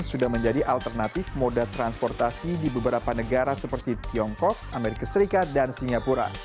sudah menjadi alternatif moda transportasi di beberapa negara seperti tiongkok amerika serikat dan singapura